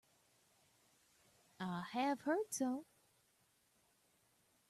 I have heard so.